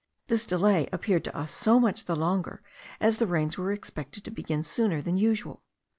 This delay appeared to us so much the longer, as the rains were expected to begin sooner than usual.